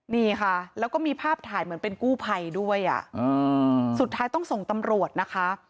นี่ค่ะแล้วก็มีภาพถ่ายเหมือนเป็นกู้ภัยด้วยสุดท้ายต้องส่งตำรวจนะคะ